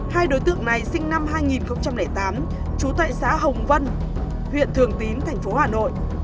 hai đối tượng này sinh năm hai nghìn tám trú tại xã hồng vân huyện thường tín thành phố hà nội